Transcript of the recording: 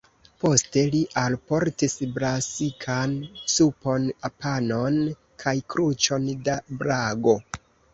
Poste li alportis brasikan supon, panon kaj kruĉon da "brago".